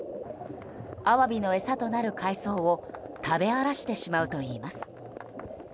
アワビの餌となる海藻を食べ荒らしてしまうといいます。